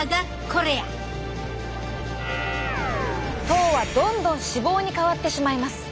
糖はどんどん脂肪に変わってしまいます。